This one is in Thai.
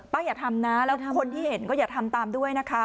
อย่าทำนะแล้วคนที่เห็นก็อย่าทำตามด้วยนะคะ